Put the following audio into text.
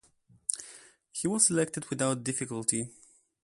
He was elected without difficulty.